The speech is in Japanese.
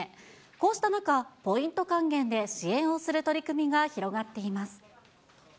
こうした中、ポイント還元で支援をする取り組みが広がっています。